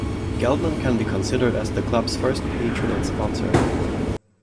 Geldner can be considered as the club’s first patron and sponsor.